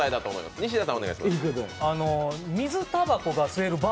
水たばこが吸えるバー。